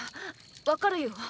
わかるよ？